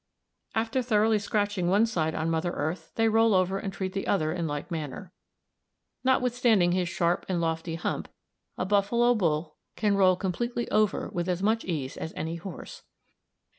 After thoroughly scratching one side on mother earth they roll over and treat the other in like manner. Notwithstanding his sharp and lofty hump, a buffalo bull can roll completely over with as much ease as any horse.